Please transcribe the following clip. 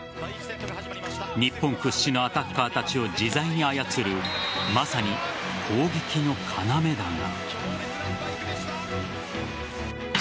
日本屈指のアタッカーたちを自在に操るまさに攻撃の要だが。